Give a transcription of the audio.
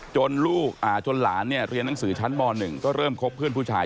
จนหลานเนี่ยเรียนหนังสือชั้นม๑ก็เริ่มคบเพื่อนผู้ชาย